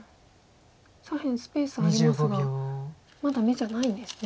左辺スペースありますがまだ眼じゃないんですね。